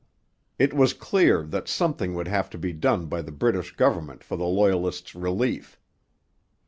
It was clear that something would have to be done by the British government for the Loyalists' relief.